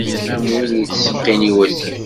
Am win yettseqqin i wasif.